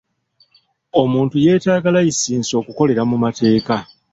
Omuntu yeetaaga layisinsi okukolera mu mateeka.